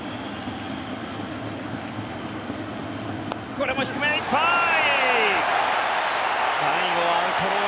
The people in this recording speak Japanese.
これも低めいっぱい！